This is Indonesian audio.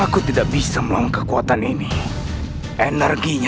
sudah kumalukan pemuda murom